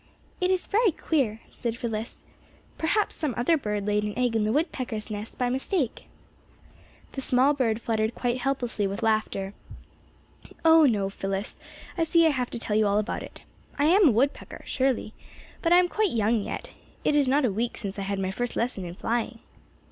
"It is very queer," said Phyllis. "Perhaps some other bird laid an egg in the woodpeckers' nest by mistake." The small bird fluttered quite helplessly with laughter. "Oh, no, Phyllis, I see I have to tell you all about it. I am a woodpecker, surely. But I am quite young yet. It is not a week since I had my first lesson in flying."